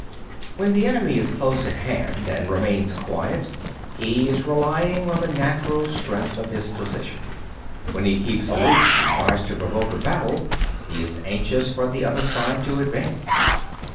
18. When the enemy is close at hand and remains quiet, he is relying on the natural strength of his position. 19. When he keeps aloof and tries to provoke a battle, he is anxious for the other side to advance.